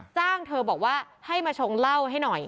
จ้างเธอบอกว่าให้มาชงเหล้าให้หน่อย